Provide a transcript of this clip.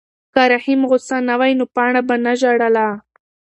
که رحیم غوسه نه وای نو پاڼه به نه ژړله.